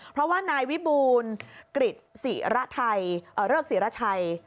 เพราะว่านายวิบูรณ์กฤษศิระไทยเลิกศิระชัย